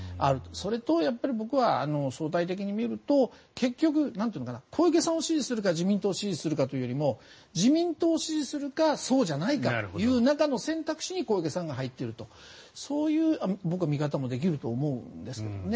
それと、僕は、相対的に見ると結局小池さんを支持するか自民党を支持するかというよりも自民党を支持するかそうじゃないかという中の選択肢に小池さんが入っているという見方も僕はできると思うんですけどね。